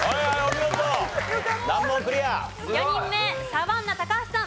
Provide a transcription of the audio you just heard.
４人目サバンナ高橋さん。